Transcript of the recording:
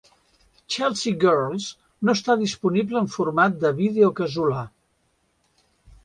"Chelsea Girls" no està disponible en format de vídeo casolà.